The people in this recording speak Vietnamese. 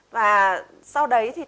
và sau đấy thì tôi